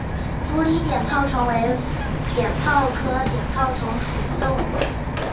佛理碘泡虫为碘泡科碘泡虫属的动物。